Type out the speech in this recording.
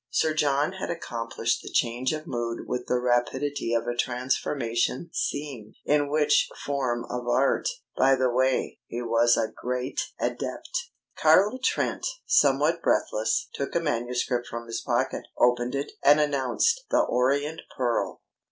Sir John had accomplished the change of mood with the rapidity of a transformation scene in which form of art, by the way, he was a great adept. Carlo Trent, somewhat breathless, took a manuscript from his pocket, opened it, and announced: "The Orient Pearl."